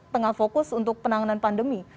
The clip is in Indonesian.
tengah fokus untuk penanganan pandemi